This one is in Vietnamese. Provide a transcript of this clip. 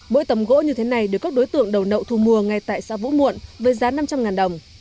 mỗi tầm gỗ như thế này được các đối tượng đầu nậu thu mua ngay tại xã vũ muộn với giá năm trăm linh đồng